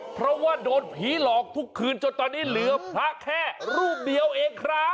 เพราะว่าโดนผีหลอกทุกคืนจนตอนนี้เหลือพระแค่รูปเดียวเองครับ